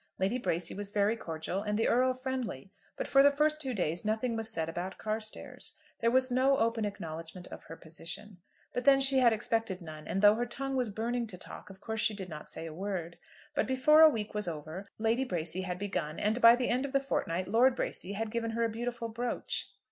Lady Bracy was very cordial and the Earl friendly, but for the first two days nothing was said about Carstairs. There was no open acknowledgment of her position. But then she had expected none; and though her tongue was burning to talk, of course she did not say a word. But before a week was over Lady Bracy had begun, and by the end of the fortnight Lord Bracy had given her a beautiful brooch.